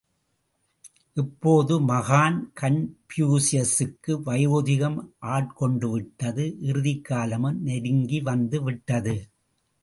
இப்போது மகான் கன்பூசியசுக்கு வயோதிகம் ஆட்கொண்டு விட்டது இறுதிக் காலமும் நெருங்கி வந்துவிட்டது.